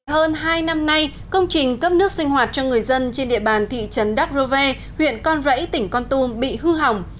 hơn hai năm nay công trình cấp nước sinh hoạt cho người dân trên địa bàn thị trấn đắc rô ve huyện con rẫy tỉnh con tum bị hư hỏng